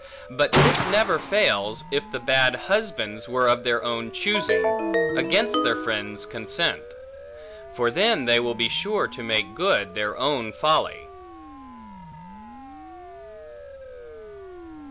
But this never fails, if the bad husbands were of their own choosing, against their friends' consent; for then they will be sure to make good their own folly.